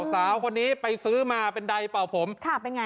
สาวคนนี้ไปซื้อมาเป็นใดเป่าผมค่ะเป็นไง